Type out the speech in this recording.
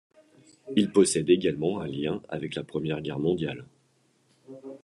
Il possède également un lien avec la Première Guerre mondiale.